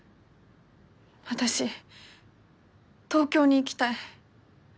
私東京に行きたい。